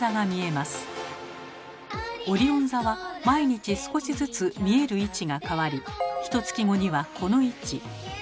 このオリオン座は毎日少しずつ見える位置が変わりひとつき後にはこの位置。